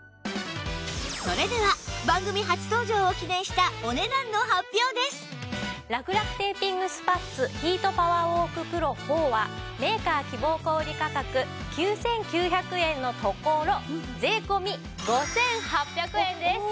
それではらくらくテーピングスパッツヒートパワーウォーク ＰＲＯⅣ はメーカー希望小売価格９９００円のところ税込５８００円です。